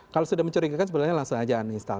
kalau sudah mencurigakan sebenarnya langsung aja uninstal